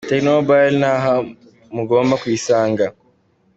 Tecno Mobile ni aha mugomba kuyisanga,.